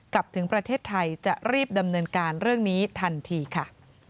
กลับถึงประเทศไทยจะรีบดำเนินการเรื่องนี้ทันทีค่ะ